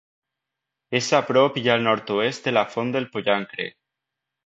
És a prop i al nord-oest de la Font del Pollancre.